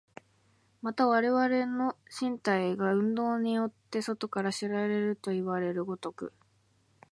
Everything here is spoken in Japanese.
また我々の身体が運動によって外から知られるといわれる如く、